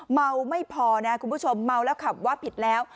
ไม่พอนะคุณผู้ชมเมาแล้วขับว่าผิดแล้ว